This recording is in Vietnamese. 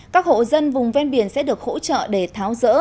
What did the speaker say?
các hộ dân vùng ven biển sẽ được hỗ trợ để tháo rỡ